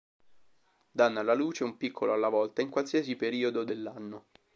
Danno alla luce un piccolo alla volta in qualsiasi periodo dell'anno.